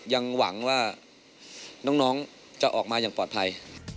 ยังหวังว่าน้องจะออกมาอย่างปลอดภัย